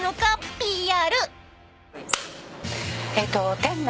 ＰＲ